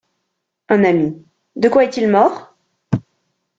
Un ami: De quoi est-il mort?